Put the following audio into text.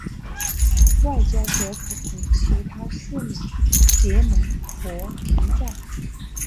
外交则可同其他势力结盟或停战。